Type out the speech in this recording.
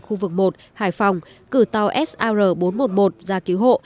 khu vực một hải phòng cử tàu sar bốn trăm một mươi một ra cứu hộ